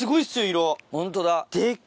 ホントだ。